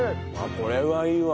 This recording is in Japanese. これはいいわ。